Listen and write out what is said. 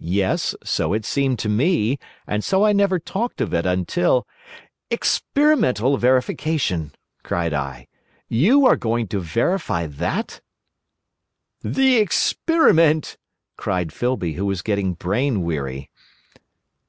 "Yes, so it seemed to me, and so I never talked of it until—" "Experimental verification!" cried I. "You are going to verify that?" "The experiment!" cried Filby, who was getting brain weary.